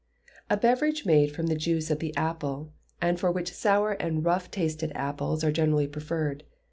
A beverage made from the juice of the apple, and for which sour and rough tasted apples are generally preferred.